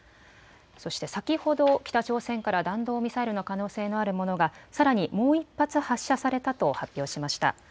そして先ほど北朝鮮から弾道ミサイルの可能性のあるものがさらにもう１発発射されたと発表しました。